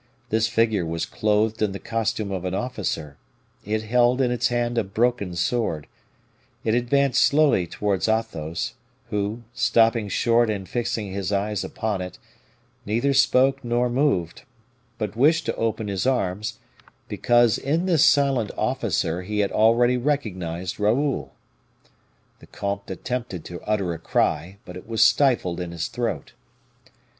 This figure was clothed in the costume of an officer; it held in its hand a broken sword; it advanced slowly towards Athos, who, stopping short and fixing his eyes upon it, neither spoke nor moved, but wished to open his arms, because in this silent officer he had already recognized Raoul. The comte attempted to utter a cry, but it was stifled in his throat.